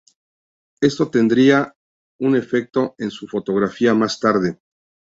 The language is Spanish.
Esto tendría un efecto en su fotografía más tarde.